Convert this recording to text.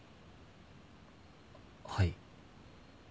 はい。